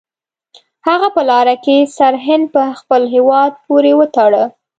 هغه په لاره کې سرهند په خپل هیواد پورې وتاړه.